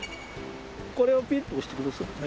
これをピッと押してください。